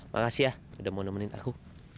makasih ya udah mau nemenin aku